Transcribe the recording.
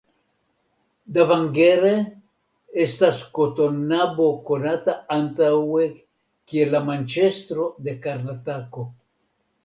Davangere estas kotonnabo konata antaŭe kiel la Manĉestro de Karnatako.